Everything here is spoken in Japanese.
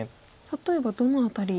例えばどの辺り？